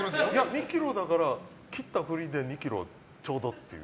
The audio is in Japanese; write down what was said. ２ｋｇだから切ったふりで２ｋｇちょうどっていう。